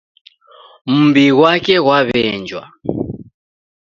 Mumbi ghwake ghwaw'emja